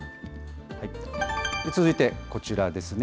続いてこちらですね。